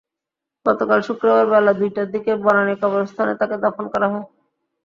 গতকাল শুক্রবার বেলা দুইটার দিকে বনানী কবরস্থানে তাঁকে দাফন করা হয়।